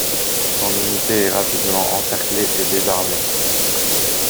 Son unité est rapidement encerclée et désarmée.